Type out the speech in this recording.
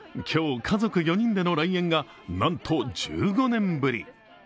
今日、家族４人での来園が、なんと１５年ぶり。